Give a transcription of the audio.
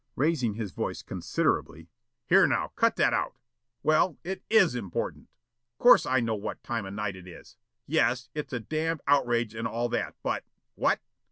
... Raising his voice considerably: "Here, now, cut that out! ... Well, it IS important. ... Course, I know what time o' night it is. ... Yes, it's a damned outrage an' all that, but what?